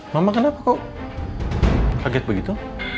mama kenapa kok kaget begitu